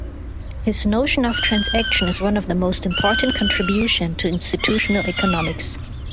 His notion of transaction is one of the most important contribution to Institutional Economics.